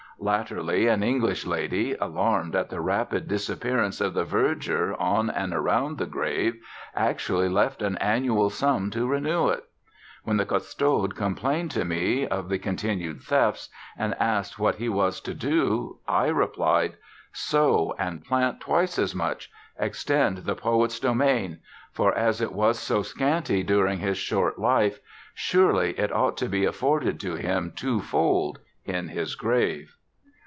Latterly an English lady, alarmed at the rapid disappearance of the verdure on and around the grave, actually left an annual sum to renew it. When the Custode complained to me of the continued thefts, and asked what he was to do, I replied, "Sow and plant twice as much; extend the poet's domain; for, as it was so scanty during his short life, surely it ought to be afforded to him twofold in his grave."